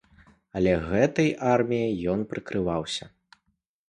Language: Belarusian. Але гэтай арміяй ён прыкрываўся.